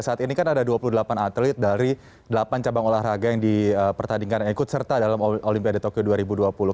saat ini kan ada dua puluh delapan atlet dari delapan cabang olahraga yang dipertandingkan yang ikut serta dalam olimpiade tokyo dua ribu dua puluh